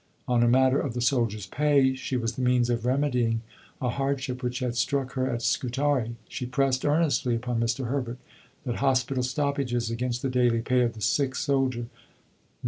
On a matter of the soldiers' pay, she was the means of remedying a hardship which had struck her at Scutari. She pressed earnestly upon Mr. Herbert that hospital stoppages against the daily pay of the sick soldier (9d.)